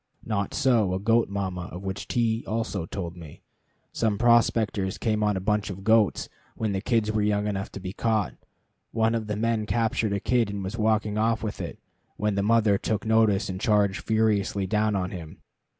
Not so a goat mama of which T also told me. Some prospectors came on a bunch of goats when the kids were young enough to be caught. One of the men captured a kid, and was walking off with it, when the mother took notice and charged furiously down on him.